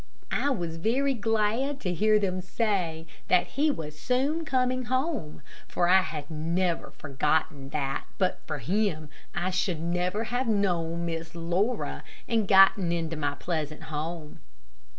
I was very glad to hear them say that he was soon coming home, for I had never forgotten that but for him I should never have known Miss Laura and gotten into my pleasant home.